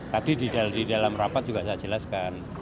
tadi di dalam rapat juga saya jelaskan